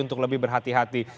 untuk lebih berhati hati